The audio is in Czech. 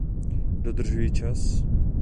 Dodržuji čas.